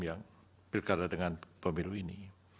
yang pilkada dengan pemilu ini